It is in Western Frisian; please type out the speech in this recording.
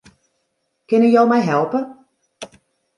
Kinne jo my helpe?